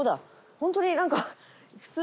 ホントに何か。